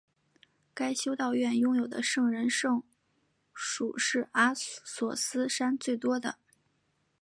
该修道院拥有的圣人圣髑是阿索斯山最多的。